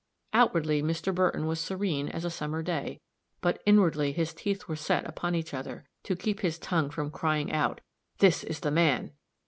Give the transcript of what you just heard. Outwardly Mr. Burton was serene as a summer day, but inwardly his teeth were set upon each other to keep his tongue from crying out "_This is the man!